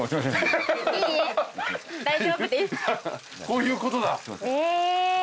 こういうことだ。え。